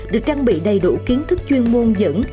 được trang bị đầy đủ kiến thức chuyên môn dẫn